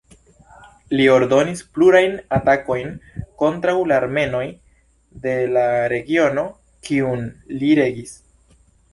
Li ordonis plurajn atakojn kontraŭ la armenoj de la regiono kiun li regis.